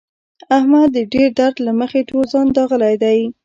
احمد د ډېر درد له مخې ټول ځان داغلی دی.